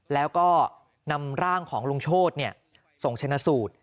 แล้วก็นำร่างของลุงโชธส่งชนะสูตร